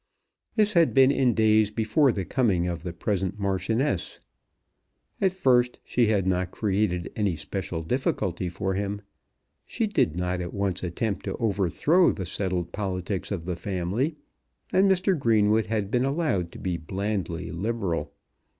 This had been in days before the coming of the present Marchioness. At first she had not created any special difficulty for him. She did not at once attempt to overthrow the settled politics of the family, and Mr. Greenwood had been allowed to be blandly liberal.